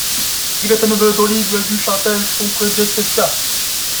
Il était neveu d'Olivier du Châtel, son prédécesseur.